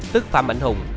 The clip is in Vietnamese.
tức phạm mạnh hùng